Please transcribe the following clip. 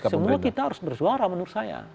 semua kita harus bersuara menurut saya